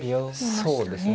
そうですね。